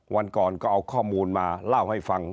วันก่อนก็เอาข้อมูลมาเล่าให้ฟัง